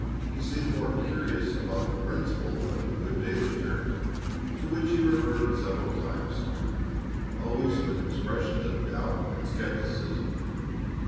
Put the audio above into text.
He seemed more curious about the principle of the daily good turn, to which he reverted several times, always with expressions of doubt and skepticism.